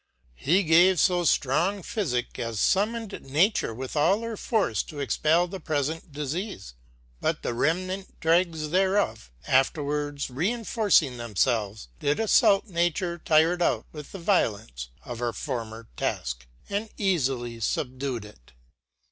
He gave lb ftrong phyfick as fummoned Nature ; with all her force to expell the pre(ent diieafe, but the rem nant dregs thereof afterwards reiniorcing themfelves did aflault Nature tired out with the violence of her former task, and eafily fubdued it.